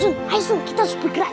sun ayo kita terus bergerak